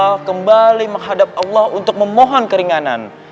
kita kembali menghadap allah untuk memohon keringanan